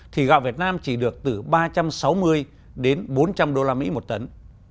thì gạo việt nam chỉ được từ ba trăm sáu mươi đến bốn trăm linh usd một tấn